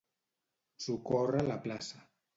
Socórrer la plaça.